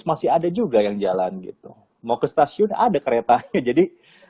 masih ada juga yang jalan gitu mau ke stasiun ada keretanya jadi